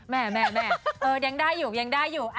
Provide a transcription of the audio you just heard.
แม่ยังได้อยู่ยังได้อยู่